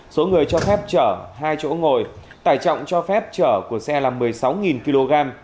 số người cho phép chở hai chỗ ngồi tải trọng cho phép chở của xe là một mươi sáu kg